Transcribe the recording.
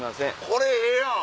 これええやん！